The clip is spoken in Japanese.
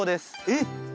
えっ？